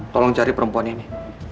tolong cari perempuan ini